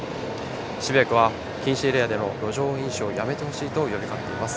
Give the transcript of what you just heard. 渋谷区は、禁止エリアでの路上飲酒をやめてほしいと呼びかけています。